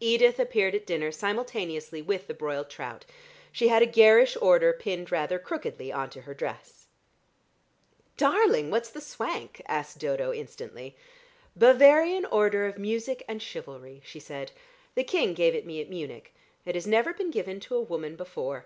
Edith appeared at dinner simultaneously with the broiled trout. She had a garish order pinned rather crookedly on to her dress. "Darling, what's that swank?" asked Dodo instantly. "Bavarian Order of Music and Chivalry," she said. "The King gave it me at Munich. It has never been given to a woman before.